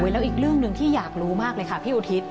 แล้วอีกเรื่องหนึ่งที่อยากรู้มากเลยค่ะพี่อุทิศ